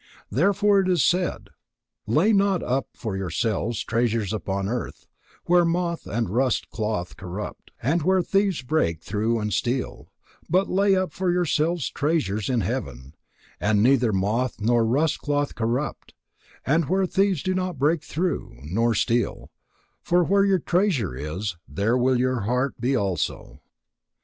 Therefore it is said: "Lay not up for yourselves treasures upon earth, where moth and rust cloth corrupt, and where thieves break through and steal: but lay up for yourselves treasures in heaven, where neither moth nor rust cloth corrupt, and where thieves do not break through nor steal: for where your treasure is, there will your heart be also."